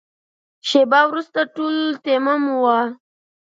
شېبه وروسته ټولو تيمم وواهه.